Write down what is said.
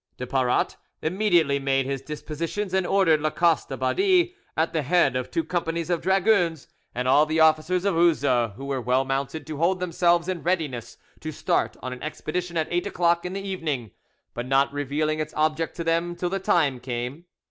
De Paratte immediately made his dispositions, and ordered Lacoste Badie, at the head of two companies of dragoons, and all the officers at Uzes who were well mounted, to hold themselves in readiness to start on an expedition at eight o'clock in the evening, but not revealing its object to them till the time came.